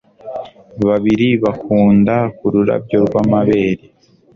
babiri bakunda kururabyo rwamabere